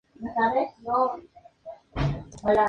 Team Brunel quedó cuarto y tercero en la general.